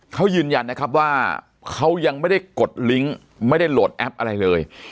เขายืนยันนะครับว่าเขายังไม่ได้กดลิงค์ไม่ได้โหลดแอปอะไรเลย